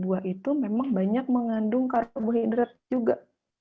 buah itu memang banyak mengandung karbohidrat juga